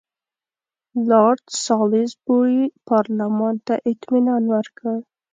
لارډ سالیزبوري پارلمان ته اطمینان ورکړ.